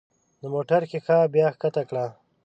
د موټر ښيښه بیا ښکته کړه.